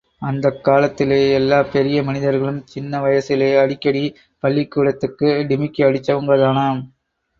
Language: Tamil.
அந்தக் காலத்திலே எல்லாப் பெரிய மனிதர்களும் சின்ன வயசிலே அடிக்கடி பள்ளிக்கூடத்துக்கு டிமிக்கி அடிச்சவங்கதானாம்.